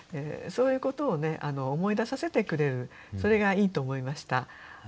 そういうことをね思い出させてくれるそれがいいと思いました。